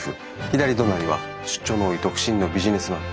左隣は出張の多い独身のビジネスマン。